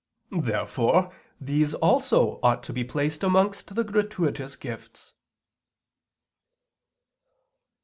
Therefore these also ought to be placed amongst the gratuitous gifts.